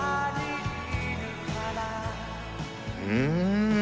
うん。